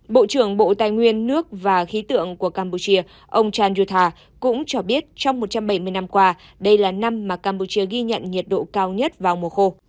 bộ trưởng bộ tài nguyên nước và khí tượng của campuchia ông chan yuth tha cũng cho biết trong một trăm bảy mươi năm qua đây là năm mà campuchia ghi nhận nhiệt độ cao nhất vào mùa khô